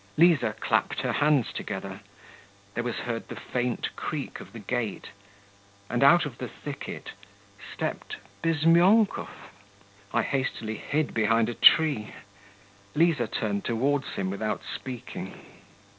Liza clapped her hands together, there was heard the faint creak of the gate, and out of the thicket stepped Bizmyonkov. I hastily hid behind a tree. Liza turned towards him without speaking....